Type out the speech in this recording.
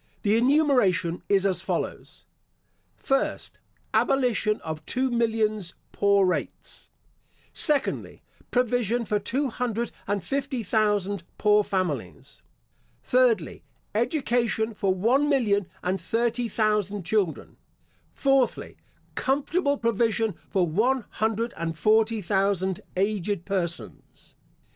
The enumeration is as follows: First, Abolition of two millions poor rates. Secondly, Provision for two hundred and fifty thousand poor families. Thirdly, Education for one million and thirty thousand children. Fourthly, Comfortable provision for one hundred and forty thousand aged persons.